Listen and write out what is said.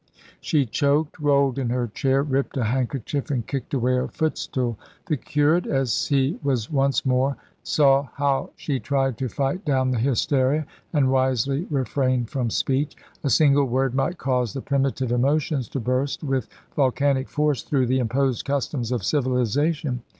She choked, rolled in her chair, ripped a handkerchief, and kicked away a foot stool. The curate as he was once more saw how she tried to fight down the hysteria, and wisely refrained from speech. A single word might cause the primitive emotions to burst with volcanic force through the imposed customs of civilisation.